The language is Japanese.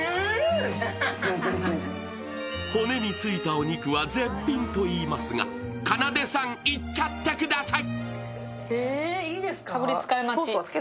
骨についたお肉は絶品といいますが、かなでさん、いっちゃってください！